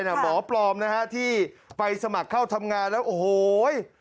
หมอปลอมนะฮะที่ไปสมัครเข้าทำงานแล้วโอ้โห